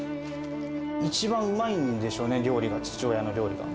一番うまいんでしょうね、料理が、父親の料理が。